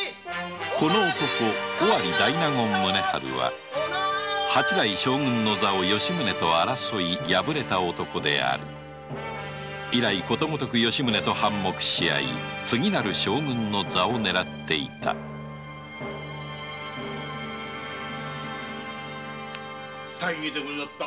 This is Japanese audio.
尾張大納言宗春は八代将軍の座を吉宗と争い敗れた男である以来ことごとく吉宗と反目し次なる将軍の座を狙っていた大儀でござった。